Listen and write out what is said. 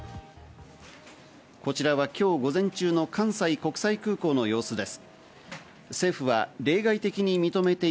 こちらは今日午前中の関西国際空港の様子です。